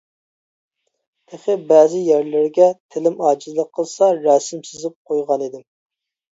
تېخى بەزى يەرلىرىگە تىلىم ئاجىزلىق قىلسا، رەسىم سىزىپ قويغانىدىم.